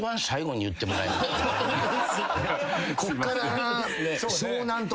こっから。